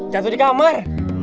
jatuh di kamar